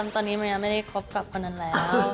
ตอนนี้มายาไม่ได้คบกับคนนั้นแล้ว